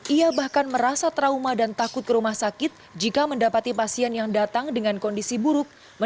ia bahkan merasa trauma dan takut ke rumah sakit jika mendapati pasien yang datang dengan kondisi buruk